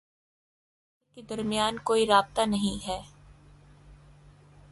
دو ممالک کے درمیان کوئی رابطہ نہیں ہے